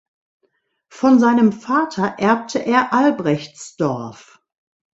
Von seinem Vater erbte er Albrechtsdorf.